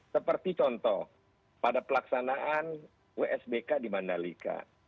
seperti contoh pada pelaksanaan wsbk di mandalika